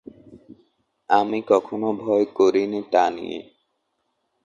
আমি কখনো ভয় করি নি তা নিয়ে।